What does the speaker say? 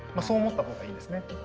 そう思ったほうがいいんですね。